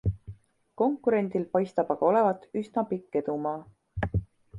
Konkurendil paistab aga olevat üsna pikk edumaa.